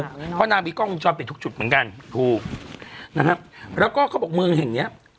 เพราะนางมีกล้องวงจรปิดทุกจุดเหมือนกันถูกนะฮะแล้วก็เขาบอกเมืองแห่งเนี้ย